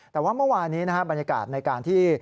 แต่ว่าเมื่อวานนี้บรรยากาศในการที่